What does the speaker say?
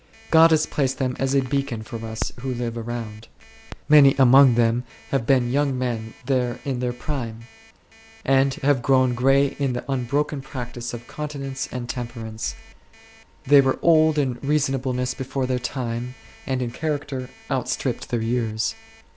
God has placed them as a beacon for us who live around ; many among them have been young men there in their prime, and have grown gray in the unbroken practice of continence and temperance ; they were old in reasonableness before their time, and in character outstripped their years.